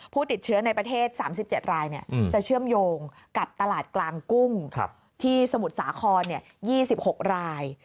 ผู้ติดเชื้อในประเทศ๓๗รายจะเชื่อมโยงกับตลาดกลางกุ้งที่สมุทรสาคร๒๖ราย